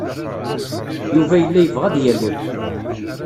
Yuba yella yebɣa ad yalel.